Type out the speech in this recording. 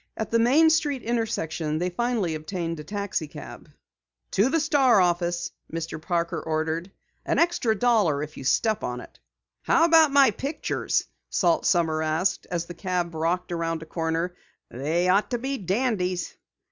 At the main street intersection they finally obtained a taxicab. "To the Star office," Mr. Parker ordered. "An extra dollar if you step on it." "How about my pictures?" Salt Sommers asked, as the cab rocked around a corner. "They ought to be dandies."